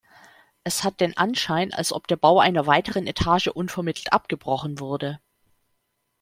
Es hat den Anschein, als ob der Bau einer weiteren Etage unvermittelt abgebrochen wurde.